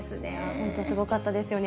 本当、すごかったですよね。